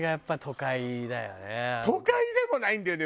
都会でもないんだよね。